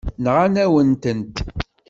Nɣan-awen-tent.